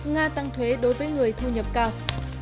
nga tăng thuế đối với người thu nhập cao